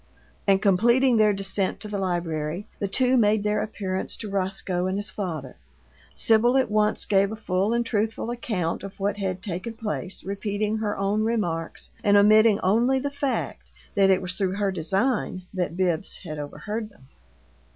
And completing their descent to the library, the two made their appearance to Roscoe and his father. Sibyl at once gave a full and truthful account of what had taken place, repeating her own remarks, and omitting only the fact that it was through her design that Bibbs had overheard them.